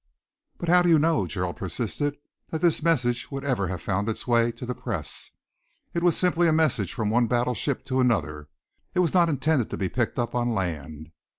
"But how do you know," Gerald persisted, "that this message would ever have found its way to the Press? It was simply a message from one battleship to another. It was not intended to be picked up on land.